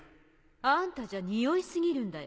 あんたじゃにおい過ぎるんだよ。